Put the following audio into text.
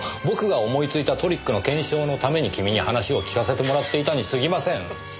僕が思いついたトリックの検証のために君に話を聞かせてもらっていたに過ぎません。